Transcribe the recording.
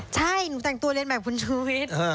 ใช่หนูแต่งตัวเรียนแบบคุณชูวิทย์